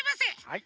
はい。